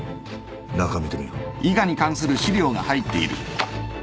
中見てみろ。